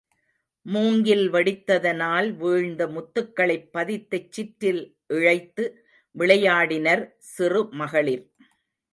மூங்கில் வெடித்ததனால் வீழ்ந்த முத்துக்களைப் பதித்துச் சிற்றில் இழைத்து விளையாடினர் சிறுமகளிர்.